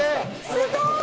すごい！